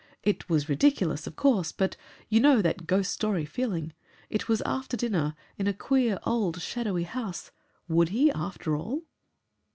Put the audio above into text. It was ridiculous, of course, but you know that ghost story feeling. It was after dinner, in a queer, old shadowy house. Would he, after all